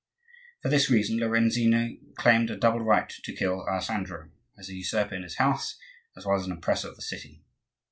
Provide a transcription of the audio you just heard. For this reason Lorenzino claimed a double right to kill Alessandro,—as a usurper in his house, as well as an oppressor of the city.